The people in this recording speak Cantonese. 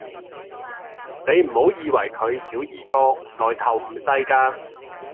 你唔好以為佢小兒科，來頭唔細架